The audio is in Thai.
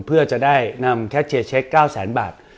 เพื่อจะได้นำแคทเชียร์เช็ค๙แสนบาท